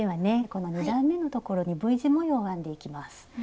この２段めのところにＶ字模様を編んでいきます。